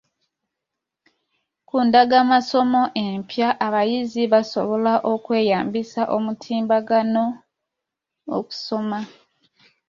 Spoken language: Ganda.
Ku ndagamasomo empya, abayizi basobola okweyambisa omutimbagano okusoma.